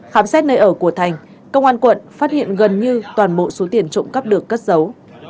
khám xét nơi ở của thành công an quận phát hiện gần như toàn bộ số tiền trộm cắp được cất giấu